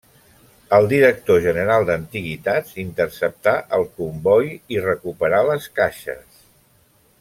El director general d'Antiguitats interceptà el comboi i recuperà les caixes.